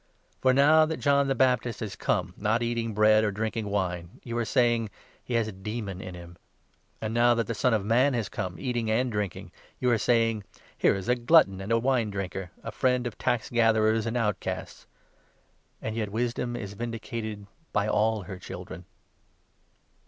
' For now that John the Baptist has come, not eating bread or 33 drinking wine, you are saying 'He has a demon in him'; and now that the Son of Man has come, eating and drinking, 34 you are saying ' Here is a glutton and a wine drinker, a friend of tax gatherers and outcasts.' And yet Wisdom is vindicated 35 by all her children."